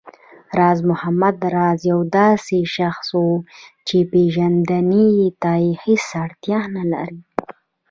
راز محمد راز يو داسې شخص و چې پېژندنې ته هېڅ اړتيا نه لري